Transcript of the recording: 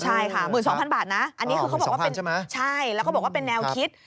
ใช่ค่ะ๑๒๐๐บาทนะอันนี้คือเขาบอกว่าเป็นใช่ไหมใช่แล้วก็บอกว่าเป็นแนวคิด